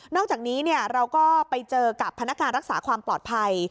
อกจากนี้เราก็ไปเจอกับพนักการรักษาความปลอดภัย